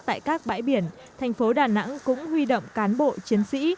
tại các bãi biển thành phố đà nẵng cũng huy động cán bộ chiến sĩ